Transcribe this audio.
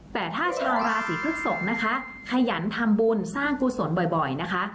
แต่ถ้าชาวราศีพฤกษกนะคะขยันทำบุญสร้างกุศลบ่อยนะคะ